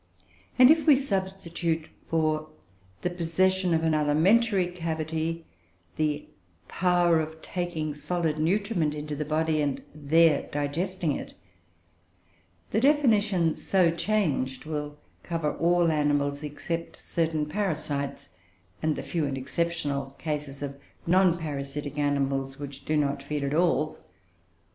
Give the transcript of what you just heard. And, if we substitute for the possession of an alimentary cavity, the power of taking solid nutriment into the body and there digesting it, the definition so changed will cover all animals except certain parasites, and the few and exceptional cases of non parasitic animals which do not feed at all.